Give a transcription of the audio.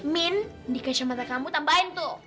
min di kacamata kamu tambahin tuh